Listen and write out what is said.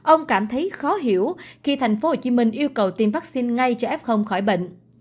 ông cảm thấy khó hiểu khi tp hcm yêu cầu tiêm vaccine ngay cho f khỏi bệnh